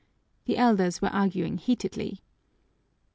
The elders were arguing heatedly.